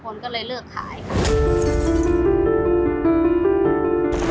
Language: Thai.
ก็เลยแบบแล้วที่นี่โท๊ะกัน